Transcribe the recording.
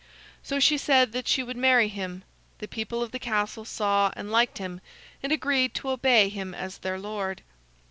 So she said that she would marry him. The people of the castle saw and liked him, and agreed to obey him as their lord.